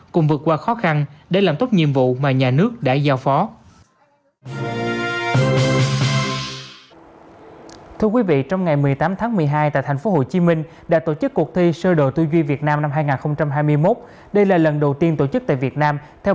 cùng vượt qua khó khăn để làm tốt nhiệm vụ mà nhà nước đã giao phó